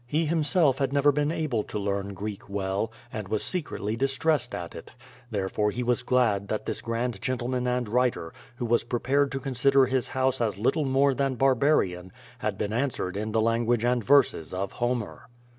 He himself had never been able to learn Qreek well, and was secretly distressed at it. Therefore he was glad that this grand gentleman and writer, who was prepared to consider his house as little more than barbarian, had been answered in the language and verses of Homer.